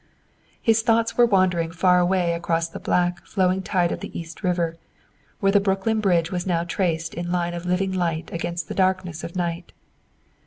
His thought were wandering far away across the black, flowing tide of the East River, where the Brooklyn Bridge was now traced in line of living light against the darkness of night.